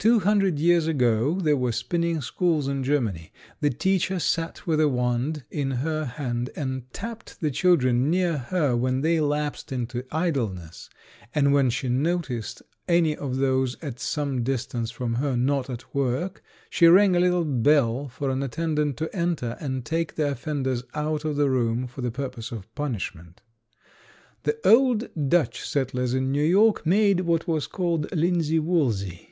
Two hundred years ago there were spinning schools in Germany. The teacher sat with a wand in her hand and tapped the children near her when they lapsed into idleness, and when she noticed any of those at some distance from her not at work she rang a little bell for an attendant to enter and take the offenders out of the room for the purpose of punishment. The old Dutch settlers in New York made what was called linsey woolsey.